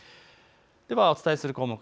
ではお伝えする項目